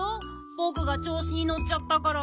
ぼくがちょうしにのっちゃったから。